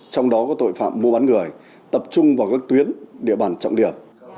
trong đó có tội phạm mua bán người tập trung vào các tuyến địa bàn trọng điểm